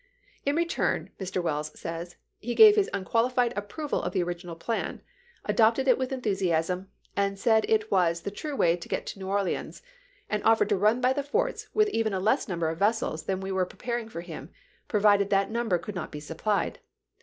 In return, Mr. Welles says, " he gave his unqualified approval of the original plan, adopted it with enthusiasm, said it was the true way to get to New Orleans, and offered to run by the forts with even a less number of vessels than we were preparing for him, provided that number could not be supplied.